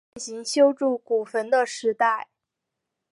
盛行修筑古坟的时代。